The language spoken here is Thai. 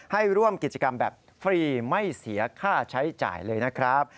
ให้ร่วมกิจกรรมแบบฟรีไม่เสียค่าใช้จ่ายเลยนะครับ